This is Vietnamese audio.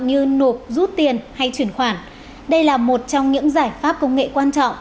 như nộp rút tiền hay chuyển khoản đây là một trong những giải pháp công nghệ quan trọng